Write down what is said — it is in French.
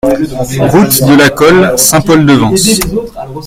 Route de la Colle, Saint-Paul-de-Vence